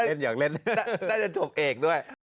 อยากเล่นน่าจะจบเอกด้วย